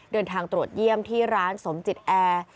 เดินทางตรวจเยี่ยมที่ร้านสมจิตแอร์